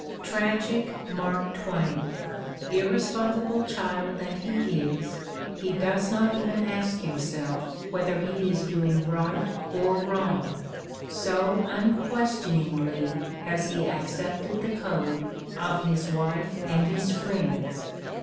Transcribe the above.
'' Tragic Mark Twain! Irresponsible child that he is, he does not even ask himself whether he is doing right or wrong, so unquestioningly has he accepted the code of his wife and his friends.